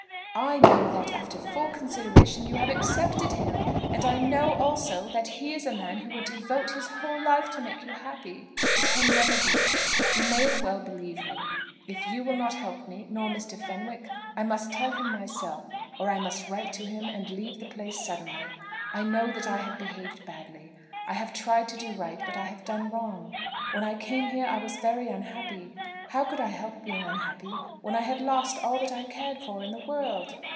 "I know that, after full consideration, you have accepted him; and I know also, that he is a man who will devote his whole life to make you happy." "It can never be. You may as well believe me. If you will not help me, nor Mr. Fenwick, I must tell him myself; or I must write to him and leave the place suddenly. I know that I have behaved badly. I have tried to do right, but I have done wrong. When I came here I was very unhappy. How could I help being unhappy when I had lost all that I cared for in the world?